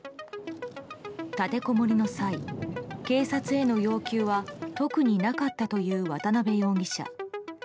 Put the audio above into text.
立てこもりの際、警察への要求は特になかったという渡辺容疑者。